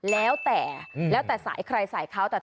แล้วแต่สายใครสายเขา